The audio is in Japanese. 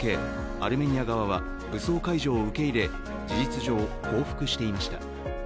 アルメニア側は武装解除を受け入れ、事実上、降伏していました。